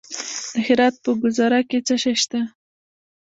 د هرات په ګذره کې څه شی شته؟